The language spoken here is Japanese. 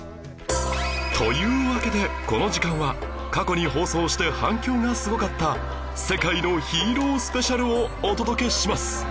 というわけでこの時間は過去に放送して反響がすごかった世界のヒーロースペシャルをお届けします